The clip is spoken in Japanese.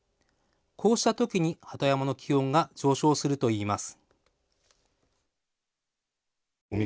こうした時に鳩山の気温が上昇するといいます。